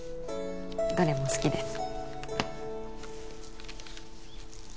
どれも好きです